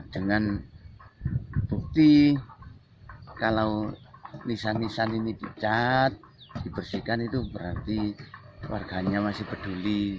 dengan bukti kalau nisan nisan ini dicat dibersihkan itu berarti warganya masih peduli